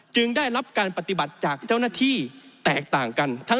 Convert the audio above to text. ได้รับการปฏิบัติจากเจ้าหน้าที่แตกต่างกัน